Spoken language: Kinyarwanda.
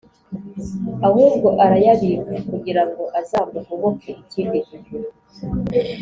ahubwo arayabika kugira ngo azamugoboke ikindi gihe.